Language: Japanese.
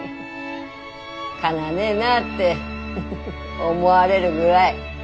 かなわねえなってフフフ思われるぐらい。